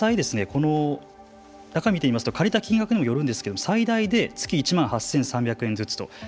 実際この中を見てみますと借りた金額によるんですけれども最大で月１万８３００円ずつ。